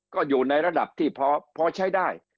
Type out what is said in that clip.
ก็อยู่ในระดับที่พอใช้ได้